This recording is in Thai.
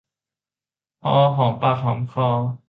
พอหอมปากหอมคอ